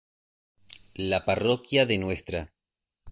La Parroquia de Ntra.